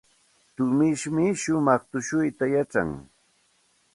Tumishmi shumaq tushuyta yachan.